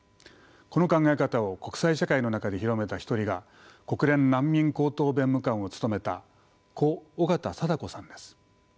この考え方を国際社会の中で広めた一人が国連難民高等弁務官を務めた故緒方貞子さんです。